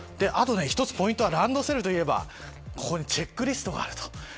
あと一つポイントはランドセルといえばここにチェックリストがある。